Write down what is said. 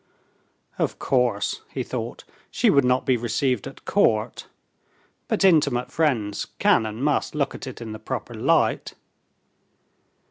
"Of course," he thought, "she would not be received at court, but intimate friends can and must look at it in the proper light."